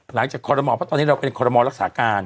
คอรมอลเพราะตอนนี้เราเป็นคอรมอรักษาการ